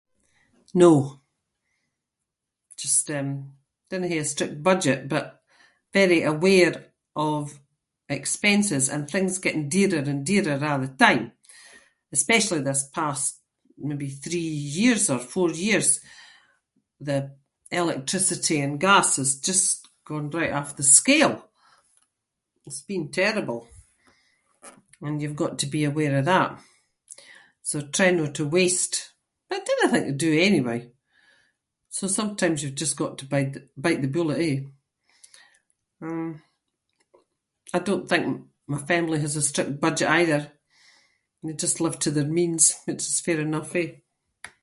No. Just um, dinna hae a strict budget but very aware of expenses and things getting dearer and dearer a’ the time, especially this past maybe three years or four years. The electricity and gas has just gone right off the scale! It’s been terrible and you’ve got to be aware of that. So I try no to waste, but I dinna think I do anyway. So sometimes you’ve just got to bite- bite the bullet, eh? Um, I don’t think my family has a strict budget either and they just live to their means which is fair enough, eh?